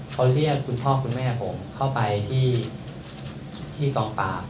เขาเรียกคุณพ่อคุณแม่ผมเข้าไปที่กองปราบ